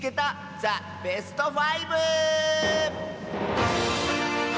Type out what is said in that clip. ザ・ベスト５」！